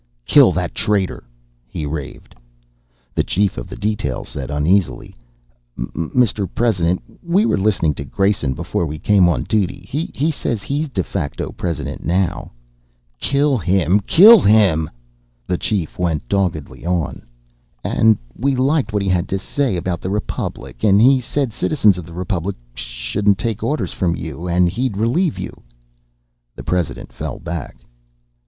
"Kill that traitor!" he raved. The chief of the detail said uneasily: "Mr. President, we were listening to Grayson before we came on duty. He says he's de facto President now " "Kill him! Kill him!" The chief went doggedly on: " and we liked what he had to say about the Republic and he said citizens of the Republic shouldn't take orders from you and he'd relieve you " The President fell back.